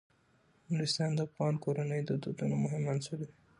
نورستان د افغان کورنیو د دودونو مهم عنصر دی.